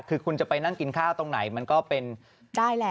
คือคุณจะไปนั่งกินข้าวตรงไหนมันก็เป็นได้แหละ